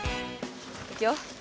いくよ。